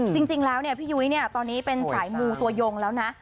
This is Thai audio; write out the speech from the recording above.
จริงแล้วเนี่ยพี่ยุ้ยเนี่ยตอนนี้เป็นสายมูตัวยงแล้วนะ